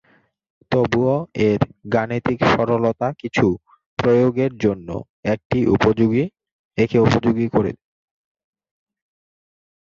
তবুও, এর গাণিতিক সরলতা কিছু প্রয়োগের জন্য একে উপযোগী করে।